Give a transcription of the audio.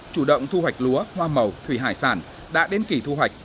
chủ động thu hoạch lúa hoa màu thủy hải sản đã đến kỳ thu hoạch